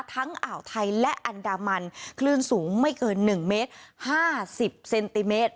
อ่าวไทยและอันดามันคลื่นสูงไม่เกิน๑เมตร๕๐เซนติเมตร